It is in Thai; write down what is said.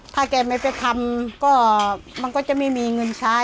ถ้าแกไม่ไปทำก็มันก็จะไม่มีเงินใช้